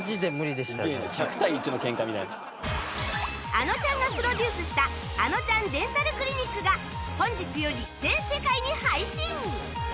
あのちゃんがプロデュースした『あのちゃんデンタルクリニック』が本日より全世界に配信！